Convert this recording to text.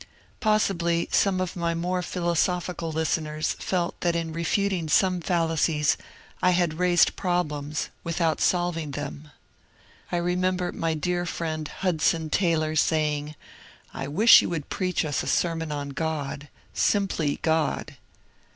Possibly some of my more philosophical listeners felt that in refuting some fallacies I had raised problems without solving UNITARIANS IN WASHINGTON 199 them. I remember my dear friend Hudson Taylor saying, ^^ I wish yon would preach us a sermon on God, — simply Grod."